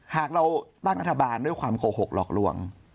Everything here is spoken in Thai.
หากเราตั้งรัฐบาลด้วยความโกหกหลอกลวง